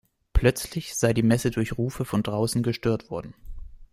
Plötzlich sei die Messe durch Rufe von draußen gestört worden.